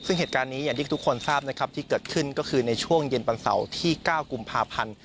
ซึ่งเหตุการณ์นี้อย่างที่ทุกคนทราบนะครับที่เกิดขึ้นก็คือในช่วงเย็นวันเสาร์ที่๙กุมภาพันธ์